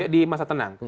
di masa tenang